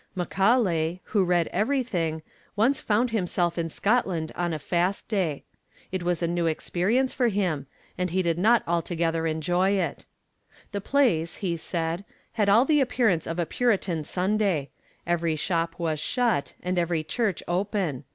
Macaulay, who read everything, once found himself in Scotland on a fast day. It was a new experience for him, and he did not altogether enjoy it. 'The place,' he said, 'had all the appearance of a Puritan Sunday. Every shop was shut and every church open.